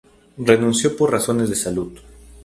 Renunció por razones de salud.